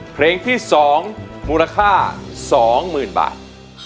เพลงที่๒มูลค่า๒๐๐๐บาท